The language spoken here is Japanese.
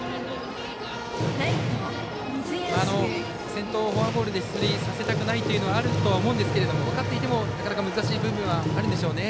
先頭をフォアボールで出塁させたくないというのはあるとは思うんですけども分かっていてもなかなか難しい部分はあるんでしょうね。